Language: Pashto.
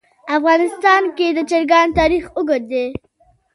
په افغانستان کې د چرګان تاریخ اوږد دی.